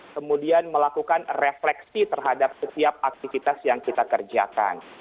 kemudian melakukan refleksi terhadap setiap aktivitas yang kita kerjakan